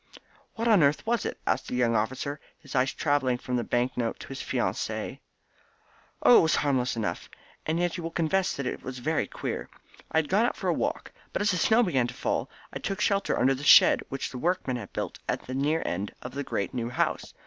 "What on earth was it?" asked the young officer, his eyes travelling from the bank note to his fiancee. "Oh, it was harmless enough, and yet you will confess it was very queer. I had gone out for a walk, but as the snow began to fall I took shelter under the shed which the workmen have built at the near end of the great new house.